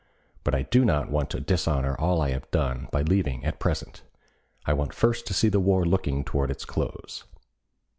But I do not want to dishonor all I have done by leaving at present. I want first to see the war looking toward its close."